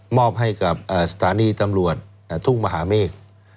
อบให้กับสถานีตำรวจทุ่งมหาเมฆ